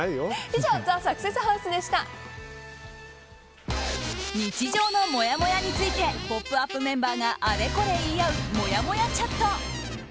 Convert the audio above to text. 以上日常のもやもやについて「ポップＵＰ！」メンバーがあれこれ言い合うもやもやチャット。